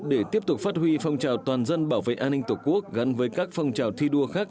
để tiếp tục phát huy phong trào toàn dân bảo vệ an ninh tổ quốc gắn với các phong trào thi đua khác